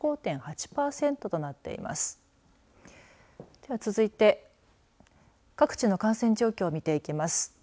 では、続いて各地の感染状況を見ていきます。